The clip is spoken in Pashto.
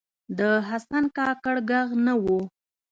د حسن کاکړ ږغ نه و